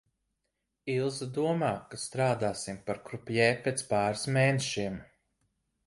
Ilze domā, ka strādāsim par krupjē pēc pāris mēnešiem.